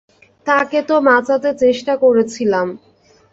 তাকে তো বাঁচাতে চেষ্টা করেছিলাম।